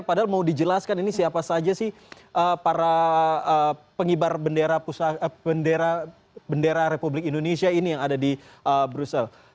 padahal mau dijelaskan ini siapa saja sih para pengibar bendera republik indonesia ini yang ada di brussel